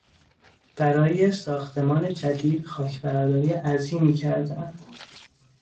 برای ساختمان جدید خاکبرداری عظیمی کردهاند.